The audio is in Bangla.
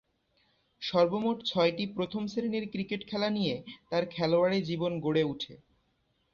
সর্বমোট ছয়টি প্রথম-শ্রেণীর ক্রিকেট খেলা নিয়ে তার খেলোয়াড়ী জীবন গড়ে উঠে।